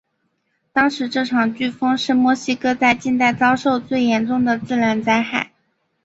当时这场飓风是墨西哥在近代遭受的最严重的自然灾害。